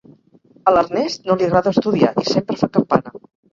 A l'Ernest no li agrada estudiar i sempre fa campana: